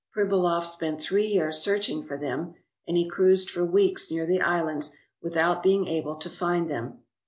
Pribilof spent three years searching for them, and he cruised for weeks near the islands without being able to find them.